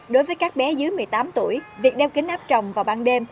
đối với các bé dưới một mươi tám tuổi việc đeo kính áp trồng vào ban đêm